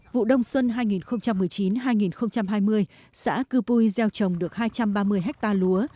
vụ đông xuân hai nghìn một mươi chín hai nghìn hai mươi xã cư pui gieo trồng được hai trăm ba mươi ha lúa